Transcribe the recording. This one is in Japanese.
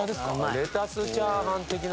レタスチャーハン的な。